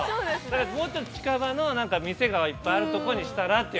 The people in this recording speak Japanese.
◆もうちょっと近場のお店が、いっぱいあるところにしたらと。